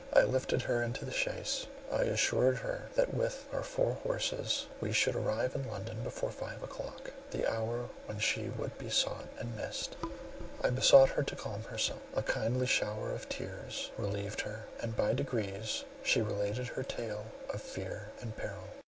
I lifted her into the chaise; I assured her that with our four horses we should arrive in London before five o'clock, the hour when she would be sought and missed. I besought her to calm herself; a kindly shower of tears relieved her, and by degrees she related her tale of fear and peril.